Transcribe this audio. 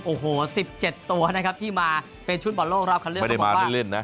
โอ้โห๑๗ตัวนะครับที่มาเป็นชุดบอลโลกรอบคันเลือกต้องบอกว่า